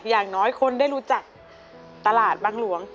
อย่างน้อยคนได้รู้จักตลาดบางหลวง